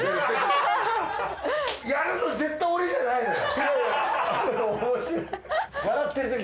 やるのは絶対俺じゃないのよ。